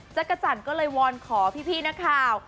จักรจันก็เลยวอนขอพี่นะครับ